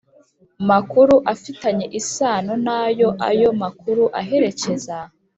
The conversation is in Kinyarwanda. Makuru afitanye isano na yo ayo makuru aherekeza